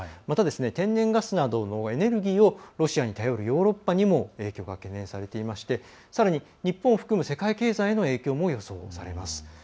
また、天然ガスなどのエネルギーをロシアに頼るヨーロッパにも影響が懸念されていまして、さらに日本を含む世界経済への影響も予想されます。